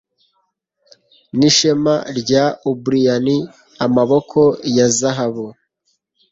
Nishema rya Umbrian amaboko ya zahabu